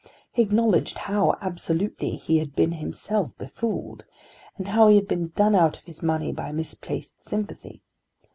He acknowledged how absolutely he had been himself befooled, and how he had been done out of his money by misplaced sympathy.